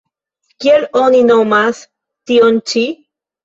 Kiel oni nomas tion-ĉi?